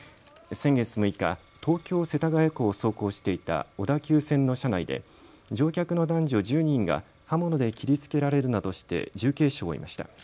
先月６日、東京世田谷区を走行していた小田急線の車内で乗客の男女１０人が刃物で切りつけられるなどして重軽傷を負いました。